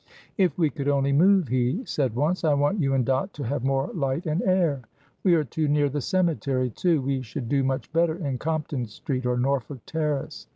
"If we could only move," he said once. "I want you and Dot to have more light and air. We are too near the cemetery, too. We should do much better in Compton Street or Norfolk Terrace."